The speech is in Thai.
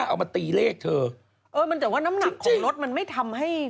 เอามาตีเลขเธอเออมันแต่ว่าน้ำหนักของรถมันไม่ทำให้